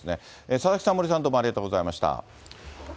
佐々木さん、森さん、どうもありがとうございました。